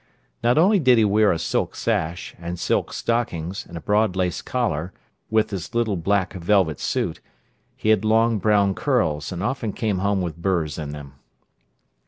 Not only did he wear a silk sash, and silk stockings, and a broad lace collar, with his little black velvet suit: he had long brown curls, and often came home with burrs in them.